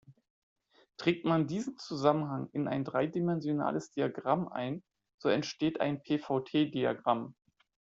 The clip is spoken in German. Trägt man diesen Zusammenhang in ein dreidimensionales Diagramm ein, so entsteht ein p-V-T-Diagramm.